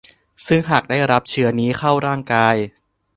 ซึ่งหากได้รับเชื้อนี้เข้าร่างกาย